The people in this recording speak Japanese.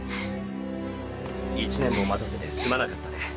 １年も待たせてすまなかったね。